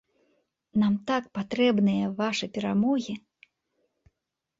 Нам так патрэбныя вашы перамогі!